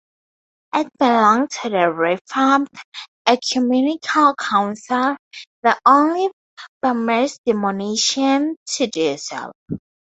It belonged to the Reformed Ecumenical Council, the only Burmese denomination to do so.